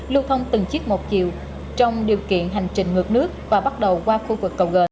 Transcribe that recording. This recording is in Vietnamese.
lưu thông từng chiếc một chiều trong điều kiện hành trình ngược nước và bắt đầu qua khu vực cầu g